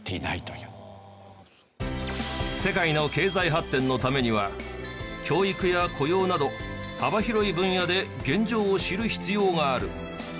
世界の経済発展のためには教育や雇用など幅広い分野で現状を知る必要がある。